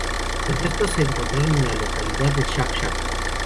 Los restos se encontraron en la localidad de Shakh-Shakh.